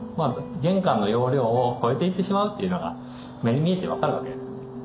玄関の容量を超えていってしまうというのが目に見えて分かるわけですね。